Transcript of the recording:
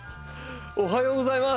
おはようございます。